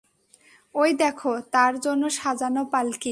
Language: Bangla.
ঐ দেখো, তার জন্য সাজানো পালকি।